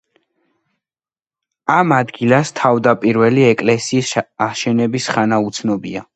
ამ ადგილას თავდაპირველი ეკლესიის აშენების ხანა უცნობია.